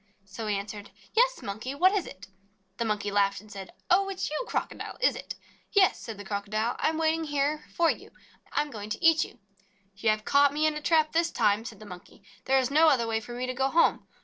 So he answered: : 'Yes, Monkey! What is it?" The Monkey laughed, and said : "Oh, it 's you, Crocodile, is it?" "Yes," said the Crocodile. "I am waiting here for you. I am going to eat you." "You have caught me in a trap this time," said the Monkey. "There is no other way for me to go home.